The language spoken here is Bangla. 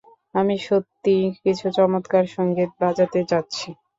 আমি সত্যিই কিছু চমৎকার সঙ্গীত বাজাতে যাচ্ছি।